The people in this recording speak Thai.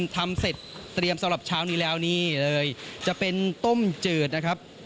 ทำเสร็จเตรียมสำหรับเช้านี้แล้วนี่เลยจะเป็นต้มจืดนะครับ